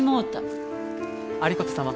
有功様。